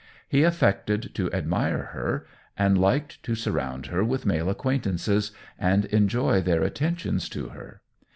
He affected to admire her, and liked to surround her with male acquaintances, and enjoy their attentions to her.